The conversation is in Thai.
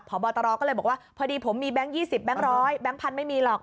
พบตรก็เลยบอกว่าพอดีผมมีแบงค์๒๐แบงค์ร้อยแบงค์พันธไม่มีหรอก